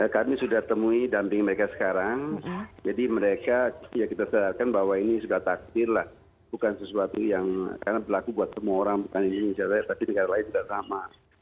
kami sudah temui damping mereka sekarang jadi mereka ya kita sadarkan bahwa ini sudah takdir lah bukan sesuatu yang karena berlaku buat semua orang bukan indonesia tapi negara lain juga sama